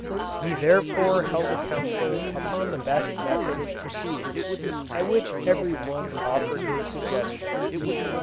We therefore held a council upon the best method of proceeding, at which every one offered his suggestions.